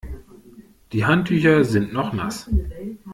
Die Handtücher sind noch nass.